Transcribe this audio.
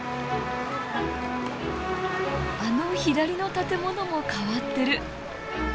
あの左の建物も変わってる。